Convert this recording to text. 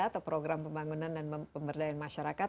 atau program pembangunan dan pemberdayaan masyarakat